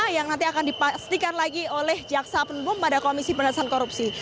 yang nanti akan dipastikan lagi oleh jaksa penumpung pada komisi penasan korupsi